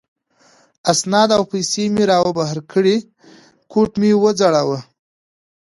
اسناد او پیسې را وبهر کړې، کوټ مې و ځړاوه.